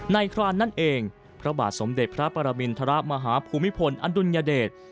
ครานนั่นเองพระบาทสมเด็จพระปรมินทรมาฮภูมิพลอดุลยเดช